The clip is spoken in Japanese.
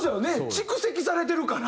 蓄積されてるから。